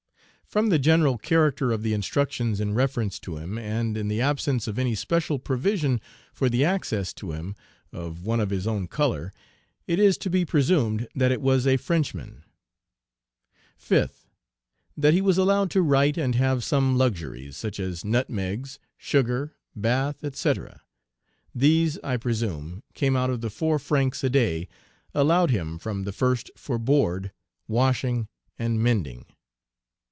From the general character of the instructions in reference to him, and in the absence of any special provision for the access to him, of one of his own color, it is to be presumed that it was a Frenchman. 5th. That he was allowed to write and have some luxuries, such as nutmegs, sugar, bath, &c. These, I presume, came out of the four francs a day allowed him from the first for board, washing, and mending.